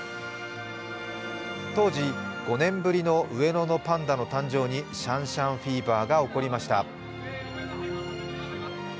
当時、５年ぶりの上野のパンダの誕生にシャンシャンフィーバーが起こりました。